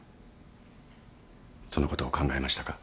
そのことを考えましたか？